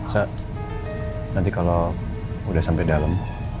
saya nanti kalau udah sampai dalam